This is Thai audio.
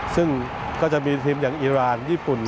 ซึ่งก็จะมีทีมอย่างอีรานญี่ปุ่น